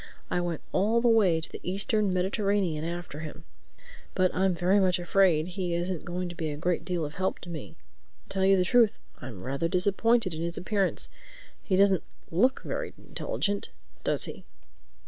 I went all the way to the Eastern Mediterranean after him. But I'm very much afraid he isn't going to be a great deal of help to me. To tell you the truth, I'm rather disappointed in his appearance. He doesn't look very intelligent, does he?"